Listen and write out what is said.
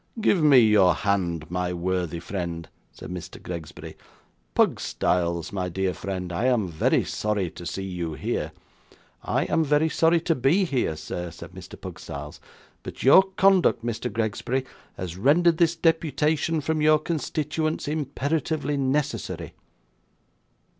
'Give me your hand, my worthy friend,' said Mr. Gregsbury. 'Pugstyles, my dear friend, I am very sorry to see you here.' 'I am very sorry to be here, sir,' said Mr. Pugstyles; 'but your conduct, Mr. Gregsbury, has rendered this deputation from your constituents imperatively necessary.